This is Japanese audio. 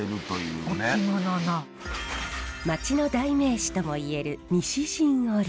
町の代名詞ともいえる西陣織。